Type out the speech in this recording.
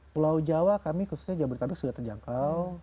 pulau jawa kami khususnya jabodetabek sudah terjangkau